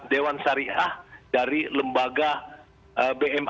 dewan syariah dari lembaga bma